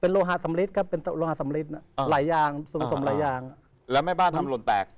โลหะสำลิดครับเป็นโลหะสำลิดหลายอย่างส่วนผสมหลายอย่างแล้วแม่บ้านทำหล่นแตก